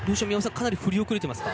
かなり振り遅れてますか。